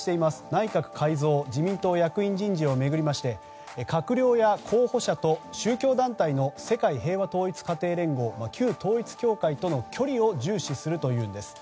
内閣改造・自民党役員人事を巡りまして閣僚や候補者と、宗教団体の世界平和統一家庭連合旧統一教会との距離を重視するというんです。